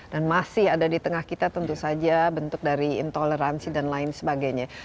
dan masih ada di tengah kita tentu saja bentuk dari intoleransi dan lain sebagainya